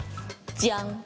じゃん！